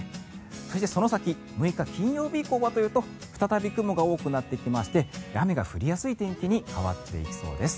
そして、その先６日、金曜日以降はというと再び雲が多くなってきまして雨が降りやすい天気に変わっていきそうです。